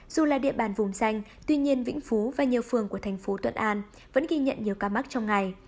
dù là địa bàn vùng xanh tuy nhiên vĩnh phú và nhiều phường của thành phố thuận an vẫn ghi nhận nhiều ca mắc trong ngày